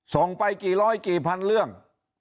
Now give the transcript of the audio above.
ส่งไปกี่ร้อยกี่พันเรื่อง